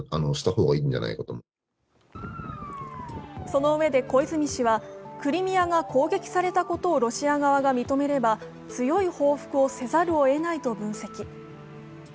そのうえで小泉氏はクリミアが攻撃されたことをロシア側が認めれば強い報復をせざるをえないと分析。